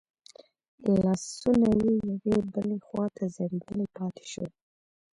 لاسونه يې يوې بلې خواته ځړېدلي پاتې شول.